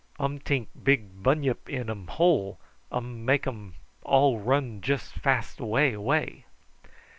"Um tink big bunyip in um hole, make um all run jus fas' away, away."